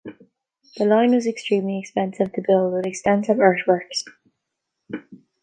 The line was extremely expensive to build with extensive earthworks.